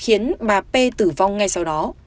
khiến bà p tử vong ngay sau đó